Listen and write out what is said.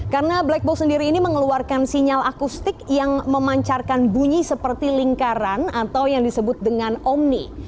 karena black box sendiri ini mengeluarkan sinyal akustik yang memancarkan bunyi seperti lingkaran atau yang disebut dengan omni